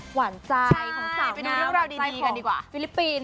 หวานใจของสาวน้ำหวานใจของฟิลิปปินส์